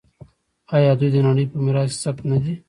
آیا دوی د نړۍ په میراث کې ثبت نه دي؟